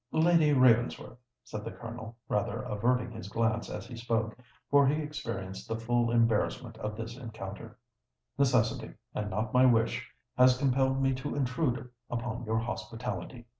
"Lady Ravensworth," said the Colonel, rather averting his glance as he spoke—for he experienced the full embarrassment of this encounter,—"necessity, and not my wish, has compelled me to intrude upon your hospitality.